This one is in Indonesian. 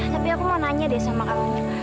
tapi aku mau nanya deh sama kalonnya